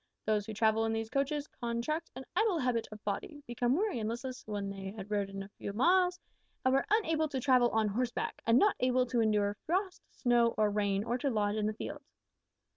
Those who travel in these coaches contract an idle habit of body, become weary and listless when they had rode a few miles, and were unable to travel on horseback, and not able to endure frost, snow, or rain, or to lodge in the fields.'